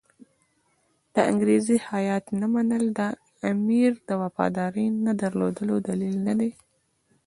د انګریزي هیات نه منل د امیر د وفادارۍ نه درلودلو دلیل نه دی.